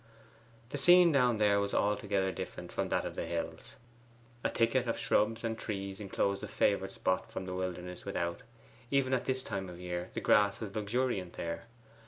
The scene down there was altogether different from that of the hills. A thicket of shrubs and trees enclosed the favoured spot from the wilderness without; even at this time of the year the grass was luxuriant there.